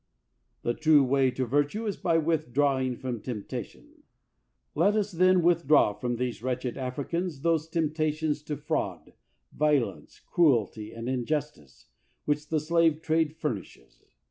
The true way to virtue is by withdrawing from temptation; let us then withdra»v from these wretched Africans those temptations to fraud, violence, cruelty, and injustice, which the slave trade furnishes.